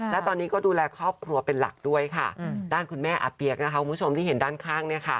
และตอนนี้ก็ดูแลครอบครัวเป็นหลักด้านคุณแม่อาเปียกคุณผู้ชมที่เห็นด้านข้าง